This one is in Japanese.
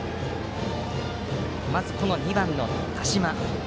まず、２番の田嶋。